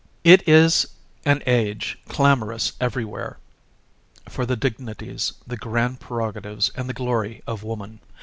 ] It is an age clamorous everywhere for the dignities, the grand prerogatives, and the glory of woman.